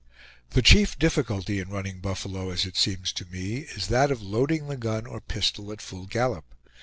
The chief difficulty in running buffalo, as it seems to me, is that of loading the gun or pistol at full gallop.